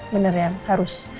bener ya harus